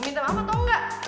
minta maaf atau enggak